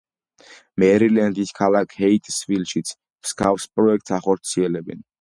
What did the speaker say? მერილენდის ქალაქ ჰეიტსვილშიც მსგავს პროექტს ახორციელებენ.